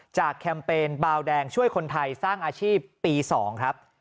แคมเปญบาวแดงช่วยคนไทยสร้างอาชีพปี๒ครับ